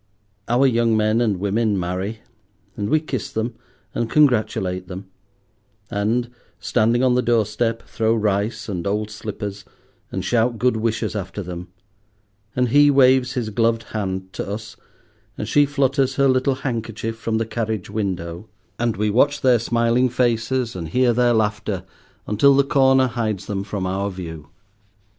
Our young men and women marry, and we kiss them and congratulate them; and, standing on the doorstep, throw rice and old slippers, and shout good wishes after them; and he waves his gloved hand to us, and she flutters her little handkerchief from the carriage window; and we watch their smiling faces and hear their laughter until the corner hides them from our view.